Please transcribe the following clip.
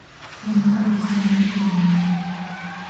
Hemos oficialmente terminado.